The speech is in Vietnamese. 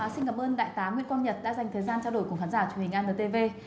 xin cảm ơn đại tá nguyễn quang nhật đã dành thời gian trao đổi cùng khán giả truyền hình antv